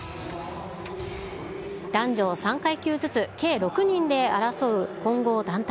男女３階級ずつ、計６人で争う混合団体。